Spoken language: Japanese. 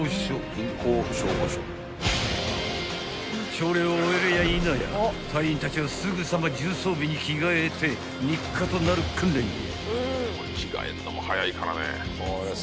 ［朝礼を終えるやいなや隊員たちはすぐさま重装備に着替えて日課となる訓練へ］